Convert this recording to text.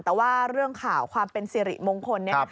แต่ว่าเรื่องข่าวความเป็นสิริมงคลเนี่ย